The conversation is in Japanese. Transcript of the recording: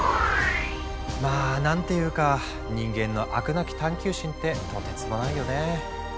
まあ何ていうか人間の飽くなき探求心ってとてつもないよね。